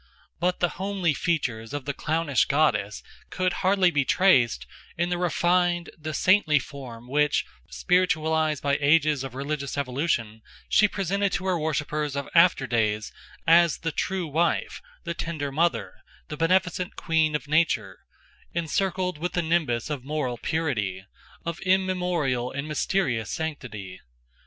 But the homely features of the clownish goddess could hardly be traced in the refined, the saintly form which, spiritualised by ages of religious evolution, she presented to her worshippers of after days as the true wife, the tender mother, the beneficent queen of nature, encircled with the nimbus of moral purity, of immemorial and mysterious sanctity.